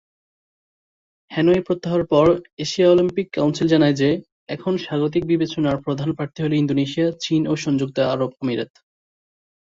Hanoi প্রত্যাহারের পর, Asia Olympic Council জানায় যে, এখন স্বাগতিক বিবেচনার প্রধান প্রার্থী হল ইন্দোনেশিয়া, চীন ও সংযুক্ত আরব আমিরাত।